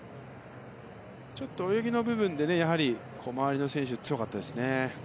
ちょっと、泳ぎの部分でねやはり、周りの選手が強かったですね。